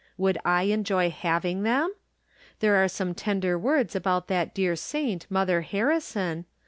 Would I enjoy having them ? There are some tender words about that dear saint. Mother Harrison.